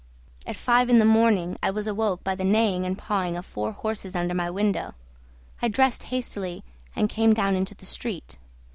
At five in the morning I was awoke by the neighing and pawing of four horses under my window. I dressed hastily and came down into the street.